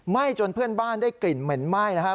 ้จนเพื่อนบ้านได้กลิ่นเหม็นไหม้นะครับ